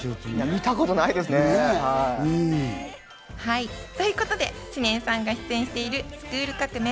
見たことないですね。ということで、知念さんが出演している『スクール革命！』